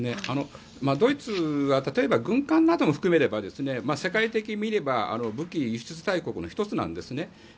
ドイツは例えば軍艦なども含めれば世界的に見れば武器輸出大国の１つなんですね。